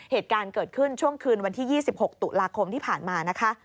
เหตุการณ์เกิดขึ้นช่วงคืนวันที่๒๖ตุลาคมที่ผ่านมานะคะ